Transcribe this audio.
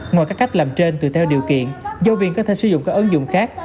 ngoài các cách làm trên tùy theo điều kiện giáo viên có thể sử dụng các ứng dụng khác